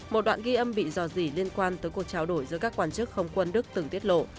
một đoạn ghi âm bị dò dỉ liên quan tới cuộc trao đổi giữa các quan chức không quân đức từng tiết lộ